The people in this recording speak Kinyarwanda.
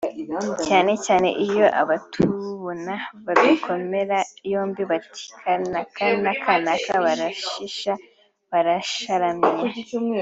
cyane cyane iyo abatubona badukomera yombi bati " kanaka na kanaka barashishe barasharamye"